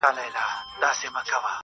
• دا صفت مي په صفاتو کي د باز دی..